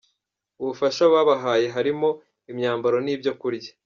Ubufasha babahaye harimo; imyambaro n’ibyo kurya.